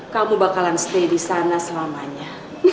kamu bakalan stay di sana selamanya